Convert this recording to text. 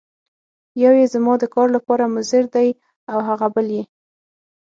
یو یې زما د کار لپاره مضر دی او هغه بل یې.